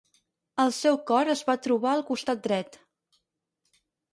El seu cor es va trobar al costat dret.